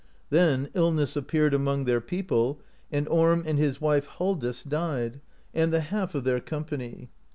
Then illness appeared among their people, and Orm and his wnfe Halldis died, and the half of their company.